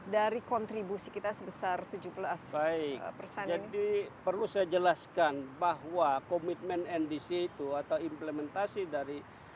dari kontribusi kita sebesar tujuh belas persen jadi perlu saya jelaskan bahwa komitmen ndc itu atau implementasi dari